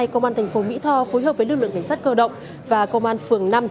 công an thành phố mỹ tho phối hợp với lực lượng cảnh sát cơ động và công an phường năm